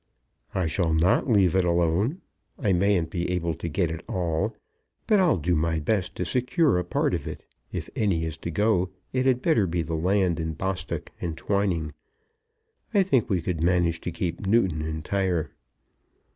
"I shall not leave it alone. I mayn't be able to get it all, but I'll do my best to secure a part of it. If any is to go, it had better be the land in Bostock and Twining. I think we could manage to keep Newton entire."